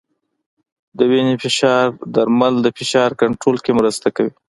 د وینې فشار درمل د فشار کنټرول کې مرسته کوي.